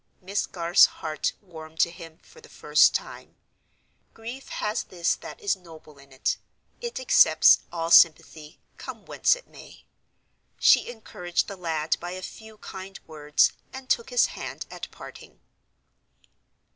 Miss Garth's heart warmed to him for the first time. Grief has this that is noble in it—it accepts all sympathy, come whence it may. She encouraged the lad by a few kind words, and took his hand at parting.